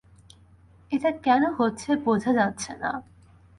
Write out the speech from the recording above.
এটা কেন হচ্ছে বোঝা যাচ্ছে না।